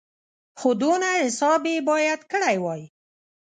خو دونه حساب یې باید کړی وای.